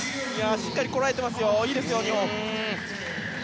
しっかりこらえていますいいですよ、日本。